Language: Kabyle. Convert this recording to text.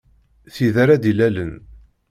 Tid ara d-ilalen.